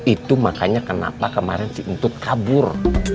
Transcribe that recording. itu makanya kenapa kemarin si untung kabur